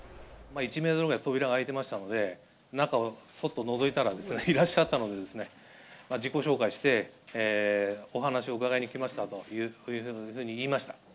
１メートルぐらい扉が開いてましたので、中をそっとのぞいたらですね、いらっしゃったのでですね、自己紹介して、お話を伺いに来ましたというふうに言いました。